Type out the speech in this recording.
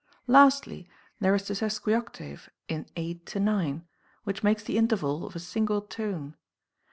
Lastly, there is the sesquioctave in 8 to 9, which makes the interval of a single tone.